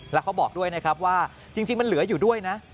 แล้วเขาบอกด้วยนะครับว่าจริงมันเหลืออยู่ด้วยนะ